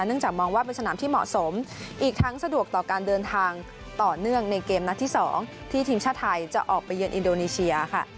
จากมองว่าเป็นสนามที่เหมาะสมอีกทั้งสะดวกต่อการเดินทางต่อเนื่องในเกมนัดที่๒ที่ทีมชาติไทยจะออกไปเยือนอินโดนีเซียค่ะ